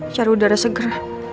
cari udara seger